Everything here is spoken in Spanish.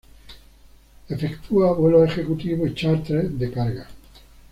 Efectúa vuelos ejecutivo y charters de carga.